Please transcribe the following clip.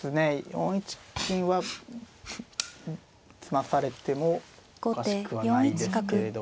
４一金は詰まされてもおかしくはないですけれども。